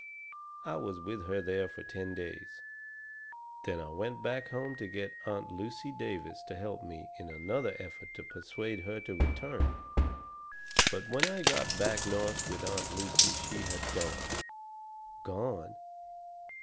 I was with her there for ten days; then I went back home to get Aunt Lucy Davis to help me in another effort to persuade her to return. But when I got back North with Aunt Lucy she had gone." "Gone?"